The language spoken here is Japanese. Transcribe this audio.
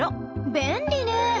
便利ね。